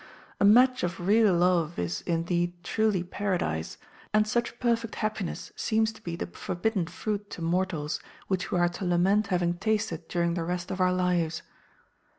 A match of real love is, indeed, truly paradise; and such perfect happiness seems to be the forbidden fruit to mortals, which we are to lament having tasted during the rest of our lives.